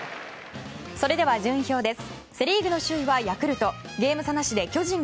それでは順位表です。